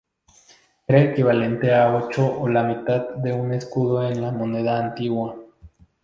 Era equivalente a ocho o la mitad de un escudo en la moneda antigua.